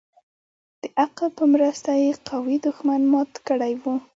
د عقل په مرسته يې قوي دښمن مات كړى و.